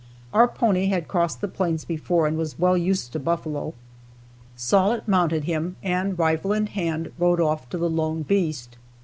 Our pony had crossed the plains before and was well used to buffalo. Sollitt mounted him, and, rifle in hand, rode for the lone beast.